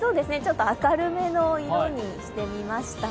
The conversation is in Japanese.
ちょっと明るめの色にしてみましたが。